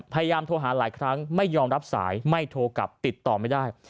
พยายามโทรหาหลายครั้งไม่ยอมรับสายไม่โทรกลับติดต่อไม่ได้